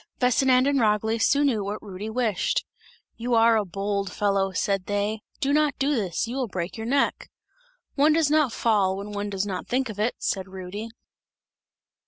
Vesinand and Ragli soon knew what Rudy wished. "You are a bold fellow," said they, "do not do this! You will break your neck!" "One does not fall, when one does not think of it!" said Rudy.